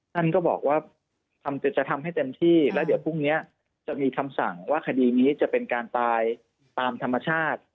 ท่านก็บอกว่าจะทำให้เต็มที่แล้วเดี๋ยวพรุ่งนี้จะมีคำสั่งว่าคดีนี้จะเป็นการตายตามธรรมชาติ